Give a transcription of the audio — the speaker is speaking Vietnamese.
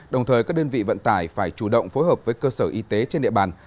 đồng thời các đơn vị vận tải phải chủ động phối hợp với cơ sở y tế trên địa bàn